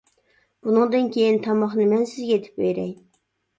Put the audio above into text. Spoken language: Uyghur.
بۇنىڭدىن كېيىن تاماقنى مەن سىزگە ئېتىپ بېرەي.